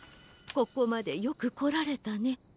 「ここまでよくこられたね。